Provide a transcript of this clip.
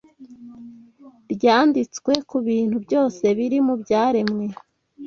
ryanditswe ku bintu byose biri mu byaremwe